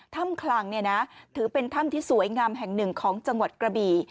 ถ้ำคลังถือเป็นถ้ำที่สวยงามแห่งหนึ่งของจังหวัดกระบี่